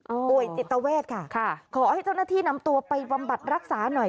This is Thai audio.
ป่วยจิตเวทค่ะค่ะขอให้เจ้าหน้าที่นำตัวไปบำบัดรักษาหน่อย